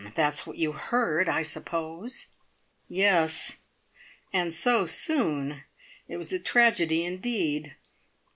That's what you heard, I suppose?" "Yes. And so soon! It was a tragedy indeed.